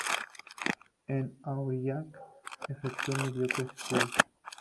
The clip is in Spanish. En Aurillac, efectuó mediocres estudios.